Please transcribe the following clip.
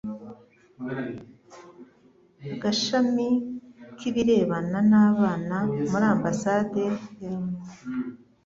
agashami k ibirebana n abana muri ambassade ya un